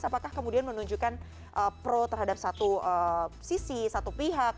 apakah kemudian menunjukkan pro terhadap satu sisi satu pihak